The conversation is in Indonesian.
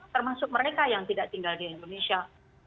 termasuk mereka yang tidak tinggal di indonesia